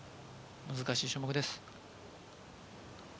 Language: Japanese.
難しい種目です。